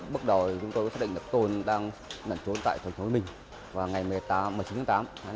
bước đầu chúng tôi xác định là tôn đang nằm trốn tại thành phố vĩnh vĩnh và ngày một mươi chín tháng tám năm hai nghìn ba